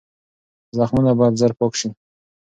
زخمونه باید زر پاک شي.